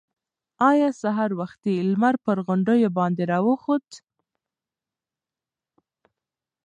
ایا سهار وختي لمر پر غونډیو باندې راوخوت؟